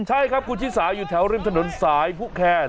ใช่ครับผู้ชิดสายอยู่แถวรึ่งถนนสายผู้แคร์